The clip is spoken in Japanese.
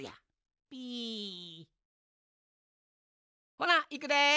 ほないくで。